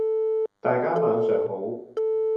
大家晚上好！